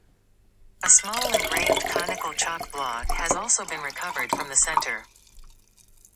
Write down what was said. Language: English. A small engraved conical chalk block has also been recovered from the centre.